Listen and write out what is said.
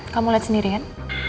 kamu liat sendiri kan